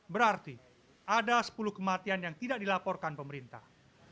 berarti ada sepuluh kematian yang tidak dilaporkan pemerintah